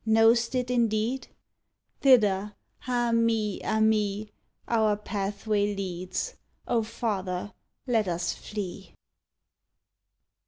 Know'st it indeed? Thither, ah, me! ah, me! Our pathway leads! O father, let us flee!